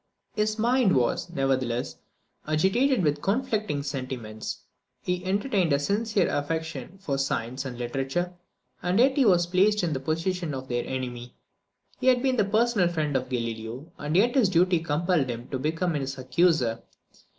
His mind was, nevertheless, agitated with conflicting sentiments. He entertained a sincere affection for science and literature, and yet he was placed in the position of their enemy. He had been the personal friend of Galileo, and yet his duty compelled him to become his accuser.